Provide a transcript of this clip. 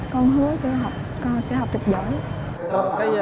con hứa sẽ học